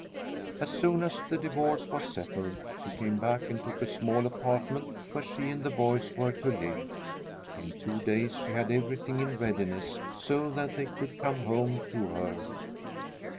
As soon as the divorce was settled, she came back and took a small apartment where she and the boys were to live. In two days she had everything in readiness, so that they could come home to her.